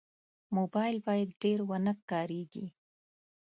موبایل باید ډېر ونه کارېږي.